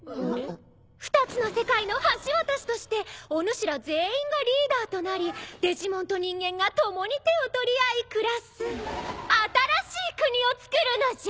２つの世界の橋渡しとしておぬしら全員がリーダーとなりデジモンと人間が共に手を取り合い暮らす新しい国を造るのじゃ。